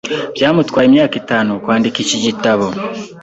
Byamutwaye imyaka itanu kwandika iki gitabo.